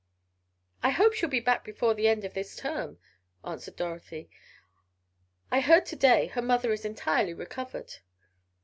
"I hope she'll be back before the end of this term," answered Dorothy. "I heard to day her mother is entirely recovered."